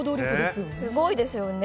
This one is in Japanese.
すごいですよね。